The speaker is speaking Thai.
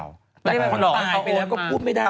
ได้ไหมว่าตายไปแล้วก็พูดไม่ได้